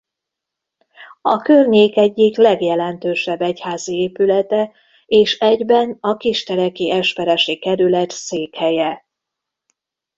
A környék egyik legjelentősebb egyházi épülete és egyben a kisteleki esperesi kerület székhelye.